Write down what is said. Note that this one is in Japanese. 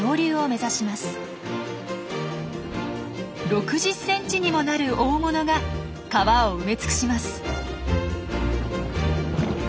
６０ｃｍにもなる大物が川を埋め尽くします。